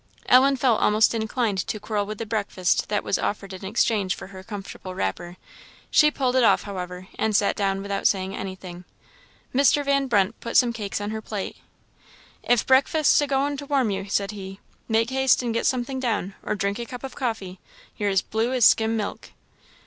Ellen felt almost inclined to quarrel with the breakfast that was offered in exchange for her comfortable wrapper; she pulled it off, however, and sat down without saying anything. Mr. Van Brunt put some cakes on her plate. "If breakfast's agoing to warm you," said he, "make haste and get something down; or drink a cup of coffee you're as blue as skim milk."